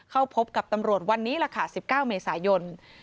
เข้าพบกับตำรวจวันนี้ล่ะค่ะ๑๙เมษายน